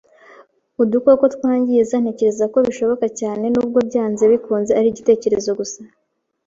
udukoko twangiza. Ntekereza ko bishoboka cyane - nubwo byanze bikunze ari igitekerezo gusa